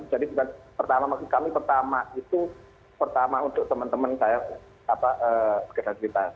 jadi pertama kami pertama itu pertama untuk teman teman saya beraktivitas